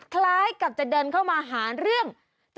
คล้ายกับจะเดินเข้ามาหาเรื่อง